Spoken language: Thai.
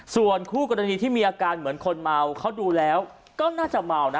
ส่วนคู่กรณีที่มีอาการเหมือนคนเมาเขาดูแล้วก็น่าจะเมานะ